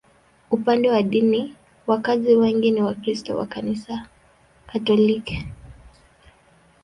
Upande wa dini, wakazi wengi ni Wakristo wa Kanisa Katoliki.